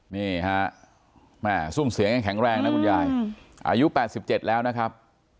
นี่ฮะแม่ซุ่มเสียงยังแข็งแรงนะคุณยายอายุ๘๗แล้วนะครับ